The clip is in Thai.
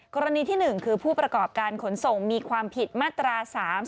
กรณีที่๑คือผู้ประกอบการขนส่งมีความผิดมาตรา๓๔